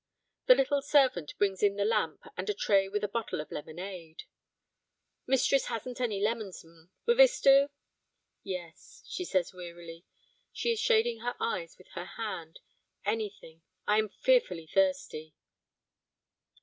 The little servant brings in the lamp and a tray with a bottle of lemonade. 'Mistress hasn't any lemons, 'm, will this do?' 'Yes,' she says wearily, she is shading her eyes with her hand; 'anything; I am fearfully thirsty.'